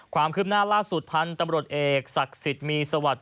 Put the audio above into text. ความคืบหน้าล่าสุดพันธุ์ตำรวจเอกศักดิ์สิทธิ์มีสวัสดิ